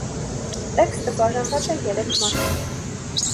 Տեքստը բաժանված է երեք մասի։